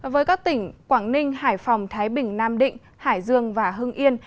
với các tỉnh quảng ninh hải phòng thái bình nam định hải dương và hưng yên